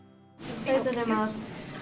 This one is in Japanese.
ありがとうございます。